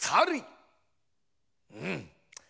うん！